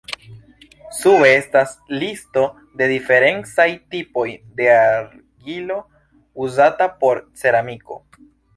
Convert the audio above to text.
Sube estas listo de diferencaj tipoj de argilo uzata por ceramiko.